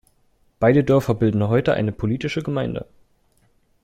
Beide Dörfer bilden heute eine politische Gemeinde.